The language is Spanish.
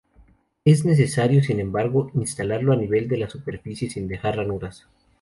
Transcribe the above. Es necesario, sin embargo, instalarlo a nivel de la superficie, sin dejar ranuras.